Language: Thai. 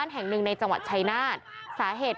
ที่ปู่